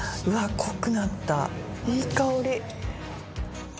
うわっ濃くなったいい香り。